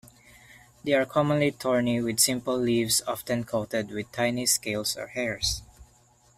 They are commonly thorny, with simple leaves often coated with tiny scales or hairs.